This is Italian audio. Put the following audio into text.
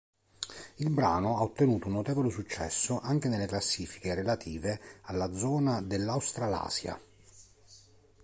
Il brano ha ottenuto un notevole successo anche nelle classifiche relative alla zona dell'Australasia.